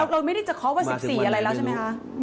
เราไม่ได้จะเคาะว่า๑๔อะไรแล้วใช่ไหมคะ